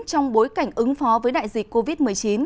trong bối cảnh ứng phó với đại dịch covid một mươi chín